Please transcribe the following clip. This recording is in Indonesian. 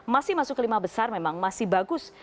masih masuk ke lima besar memang masih bagus